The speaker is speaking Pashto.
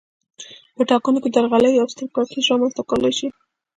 په ټاکنو کې درغلي یو ستر کړکېچ رامنځته کولای شي